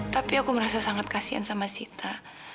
tapi aku merasa sangat kasian sama sita